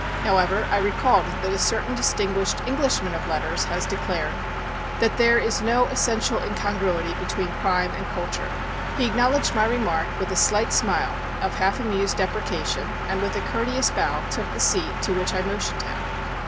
However, I recalled that a certain distinguished Englishman of letters has declared "that there is no essential incongruity between crime and culture." He acknowledged my remark with a slight smile of half amused deprecation and with a courteous bow took the seat to which I motioned him.